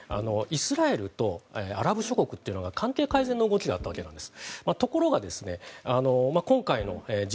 イスラエルとアラブ諸国っていうのが関係改善の動きがあったわけなんです。